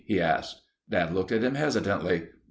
he asked. Dad looked at him hesitantly.